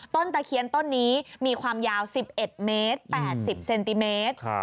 ตะเคียนต้นนี้มีความยาว๑๑เมตร๘๐เซนติเมตร